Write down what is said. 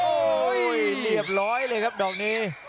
โอ้โหโอ้โหเหลียบร้อยเลยครับดอกนี้